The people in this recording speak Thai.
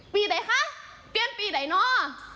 ปีดไอ้คะเปลี่ยนปีดไอ้เนาะ